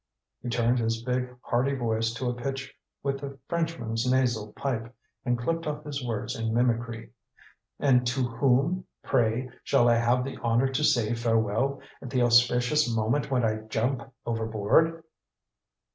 He tuned his big hearty voice to a pitch with the Frenchman's nasal pipe, and clipped off his words in mimicry. "And to whom, pray, shall I have the honor to say farewell, at the auspicious moment when I jump overboard?"